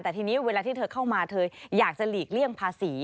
แต่ทีนี้เวลาที่เธอเข้ามาเธออยากจะหลีกเลี่ยงภาษี